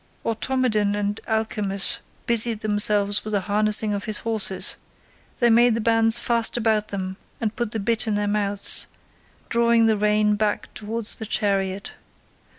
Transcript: Automedon and Alcimus busied themselves with the harnessing of his horses; they made the bands fast about them, and put the bit in their mouths, drawing the reins back towards the chariot.